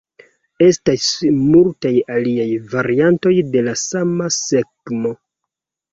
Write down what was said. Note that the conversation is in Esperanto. Estas multaj aliaj variantoj de la sama skemo.